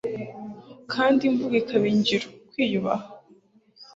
kandi imvugo ikaba ingiro , kwiyubaha